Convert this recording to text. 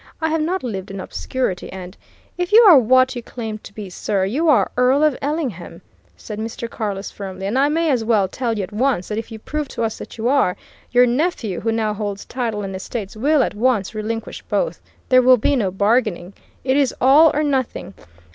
"I have not lived in obscurity, and " "If you are what you claim to be, sir, you are Earl of Ellingham," said Mr. Carless firmly, "and I may as well tell you at once that if you prove to us that you are, your nephew, who now holds title and estates, will at once relinquish both. There will be no bargaining. It is all or nothing.